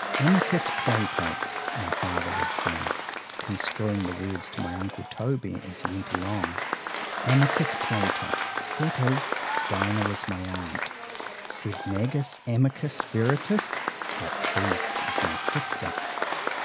—Amicus Plato, my father would say, construing the words to my uncle Toby, as he went along, Amicus Plato; that is, DINAH was my aunt;—sed magis amica veritas—but TRUTH is my sister.